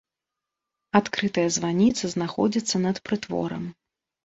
Адкрытая званіца знаходзіцца над прытворам.